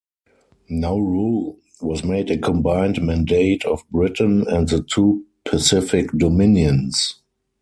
Nauru was made a combined mandate of Britain and the two Pacific Dominions.